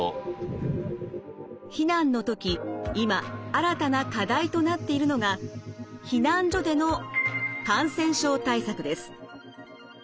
避難の時今新たな課題となっているのが避難所での感染症対策です。